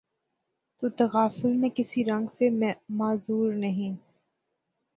تو تغافل میں کسی رنگ سے معذور نہیں